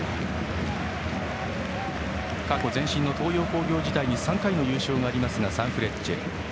過去、前身の東洋工業時代に３回の優勝がありますサンフレッチェ。